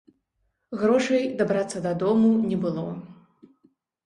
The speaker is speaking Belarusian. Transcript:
Грошай дабрацца дадому не было.